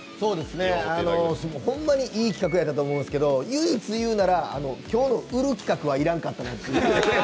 ほんまにいい企画やったと思うんですけど、唯一言うなら、今日の売る企画はいらんかった。